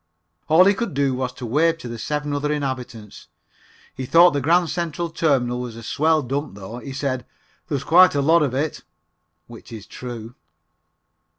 All he could do was to wave to the seven other inhabitants. He thought the Grand Central Terminal was a swell dump, though. He said: "There was quite a lot of it," which is true.